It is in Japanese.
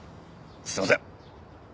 すいません。